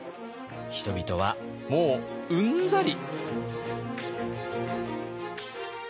人々はもううんざり。